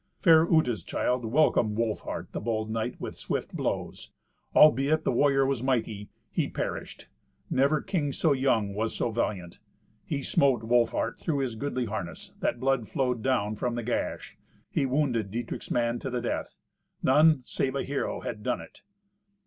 Fair Uta's child welcomed Wolfhart, the bold knight, with swift blows. Albeit the warrior was mighty, he perished. Never king so young was so valiant. He smote Wolfhart through his goodly harness, that blood flowed down from the gash: he wounded Dietrich's man to the death. None save a hero had done it.